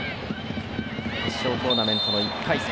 決勝トーナメントの１回戦。